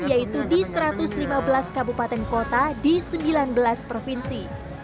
yaitu di satu ratus lima belas kabupaten kota di sembilan belas provinsi